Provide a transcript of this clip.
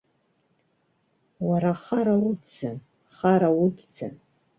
Уара хара удӡам, хара удӡам.